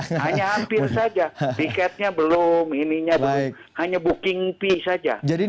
hanya hampir saja tiketnya belum ininya belum hanya booking fee saja